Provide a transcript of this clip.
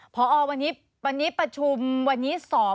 พอวันนี้ประชุมวันนี้สอบ